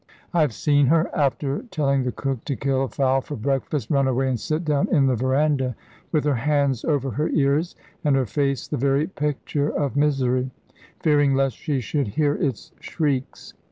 I have seen her, after telling the cook to kill a fowl for breakfast, run away and sit down in the veranda with her hands over her ears, and her face the very picture of misery, fearing lest she should hear its shrieks.